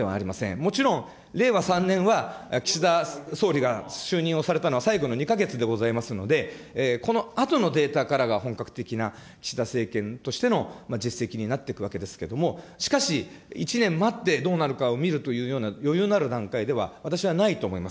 もちろん令和３年は岸田総理が就任をされたのは最後の２か月でありますので、このあとのデータからが本格的な岸田政権としての実績になっていくわけでありますけれども、しかし、１年待ってどうなるかを見るというような余裕のある段階では、私はないと思います。